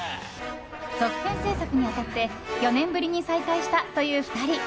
続編制作に当たって４年ぶりに再会したという２人。